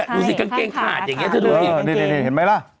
ดูสิกางเกงขาดอย่างนี้เห็นไหมล่ะ